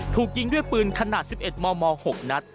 ถูกยิงด้วยปืนขนาด๑๑มม๖นัด